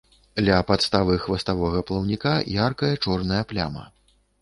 Ля падставы хваставога плаўніка яркая чорная пляма.